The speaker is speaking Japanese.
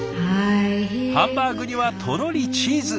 ハンバーグにはとろりチーズ。